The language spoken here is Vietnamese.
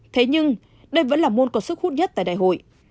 thế nhưng đây vẫn là môn có sức hút nhất tại đại hội